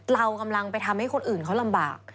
เรากำลังไปทำให้คนอื่นเขาลำบาก